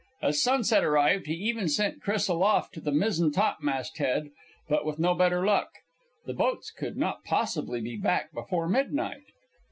As sunset arrived, he even sent Chris aloft to the mizzen topmast head, but with no better luck. The boats could not possibly be back before midnight.